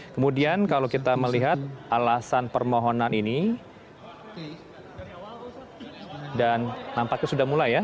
kemudian kalau kita melihat alasan permohonan ini dan nampaknya sudah mulai ya